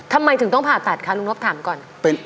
ทำไมถึงต้องผ่าตัดคะลุงนบถามก่อน